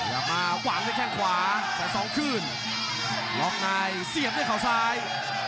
อย่ามาวางด้วยแข่งขวาแชนสองคลื่นรองนายเสียบด้วยเขาซ้าย